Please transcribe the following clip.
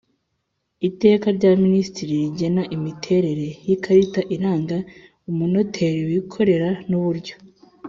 Iteka rya minisitiri rigena imiterere y ikarita iranga umunoteri wikorera n uburyo